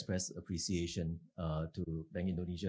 penghargaan kepada bank indonesia